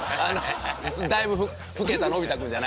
だいぶ老けたのび太君じゃない。